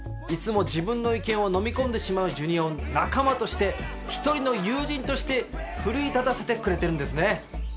いつも自分の意見をのみ込んでしまうジュニアを仲間として一人の友人として奮い立たせてくれてるんですね。